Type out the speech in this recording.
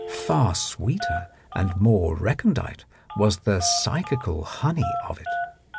Far sweeter and more recondite was the psychical honey of it.